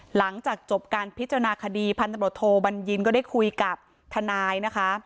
หลังจากจบการพิจารณาคดีพันธบทโทบัญญินก็ได้คุยกับทนายนะคะ